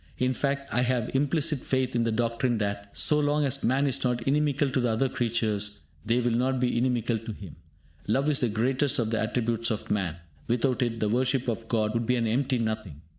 In fact, I have implicit faith in the doctrine that, so long as man is not inimical to the other creatures, they will not be inimical to him. Love is the greatest of the attributes of man. Without it the worship of God would be an empty nothing.